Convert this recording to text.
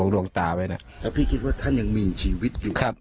แล้วหลงตาไว้นะ